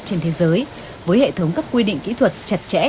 trên thế giới với hệ thống các quy định kỹ thuật chặt chẽ